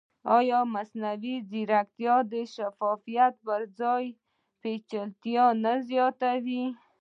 ایا مصنوعي ځیرکتیا د شفافیت پر ځای پېچلتیا نه زیاتوي؟